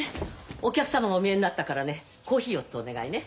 お客様がお見えになったからねコーヒー４つお願いね。